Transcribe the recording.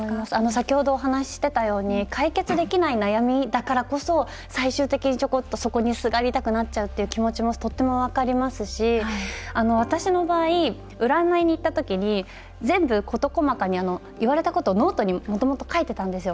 先ほどお話ししてたように解決できない悩みだからこそ最終的に、ちょこっとそこにすがりたくなっちゃうっていう気持ちも、とっても分かりますし私の場合、占いに行った時に全部事細かに言われたことをノートにもともと書いてたんですよ。